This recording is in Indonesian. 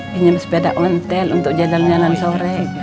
pinjam sepeda ontel untuk jadwal jalan sore